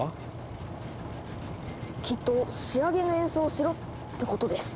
きっと仕上げの演奏をしろってことです。